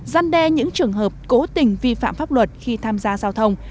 giăn đe những trường hợp cố tình vi phạm pháp luật khi tham gia giao thông